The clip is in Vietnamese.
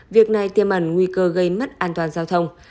việc này tiêm ẩn nguy cơ gây mất an toàn giao thông